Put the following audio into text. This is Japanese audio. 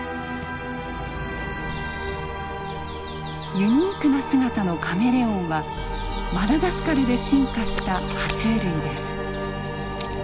ユニークな姿のカメレオンはマダガスカルで進化したは虫類です。